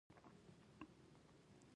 هیلې مې د انتظار په تل کې ښخې شوې.